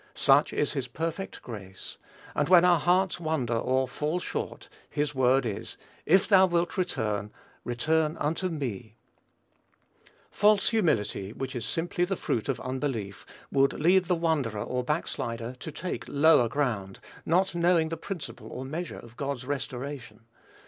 Such is his perfect grace; and when our hearts wander, or fall short, his word is, "If thou wilt return, return unto me." False humility, which is simply the fruit of unbelief, would lead the wanderer or backslider to take lower ground, not knowing the principle or measure of God's restoration.